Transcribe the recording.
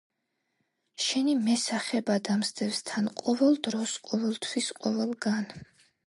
შენი მე სახება დამსდევს თან ყოველ დროს ყოველ თვის ყოველ გან